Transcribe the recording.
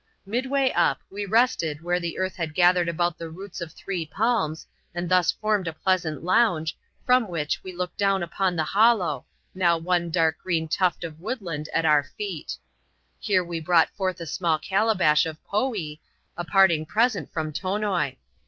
Midway up we rested where the earth had gathered about the roots of three palms, and thus formed a pleasant lounge, from which we looked down upon 1iXie ^icJ^orw, x^^"^ <sGfc ^sKsk ^greon CKAP. UUL] TAMAL 239 tuft of woodland at our feet Here we brought forth a small calabash of ^^ poee^ a parting present from Tonoi.